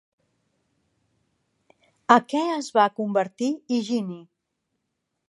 A què es va convertir Higini?